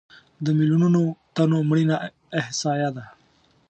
د میلیونونو تنو مړینه احصایه ده.